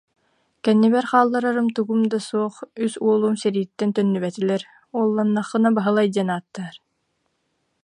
Кэннибэр хаалларарым тугум да суох, үс уолум сэрииттэн төннүбэтилэр, уолланнаххына Баһылай диэн ааттаар